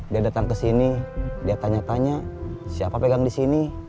dia datang kesini dia tanya tanya siapa pegang disini